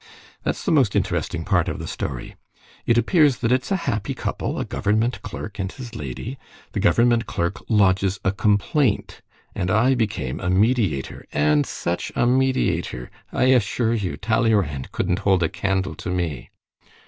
"That's the most interesting part of the story. It appears that it's a happy couple, a government clerk and his lady. The government clerk lodges a complaint, and I became a mediator, and such a mediator!... I assure you Talleyrand couldn't hold a candle to me."